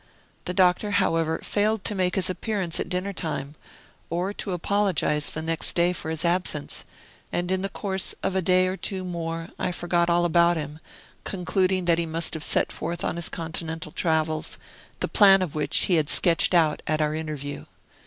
The Doctor, however, failed to make his appearance at dinner time, or to apologize the next day for his absence; and in the course of a day or two more, I forgot all about him, concluding that he must have set forth on his Continental travels, the plan of which he had sketched out at our interview.